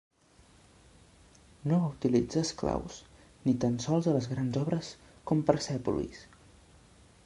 No va utilitzar esclaus ni tan sols a les grans obres com Persèpolis.